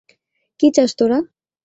কী চাস তোরা?